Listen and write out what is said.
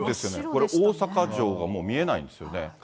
ここ、大阪城が見えないんですよね。